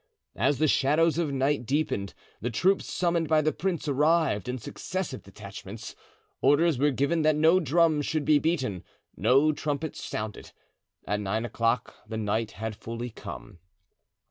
As the shadows of night deepened the troops summoned by the prince arrived in successive detachments. Orders were given that no drum should be beaten, no trumpet sounded. At nine o'clock the night had fully come.